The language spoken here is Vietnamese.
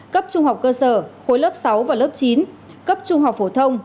cấp trung học cơ sở khối lớp sáu và lớp chín cấp trung học phổ thông